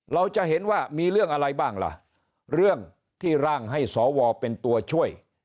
เราจะเห็นว่ามีเรื่องอะไรบ้างล่ะเรื่องที่ร่างให้สวเป็นตัวช่วย